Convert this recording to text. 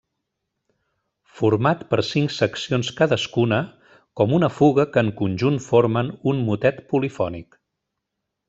Format per cinc seccions cadascuna com una fuga que en conjunt formen un motet polifònic.